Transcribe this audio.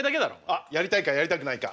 あっやりたいかやりたくないか。